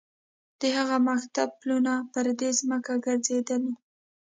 د هغه مکتب پلونه پر دې ځمکه ګرځېدلي دي.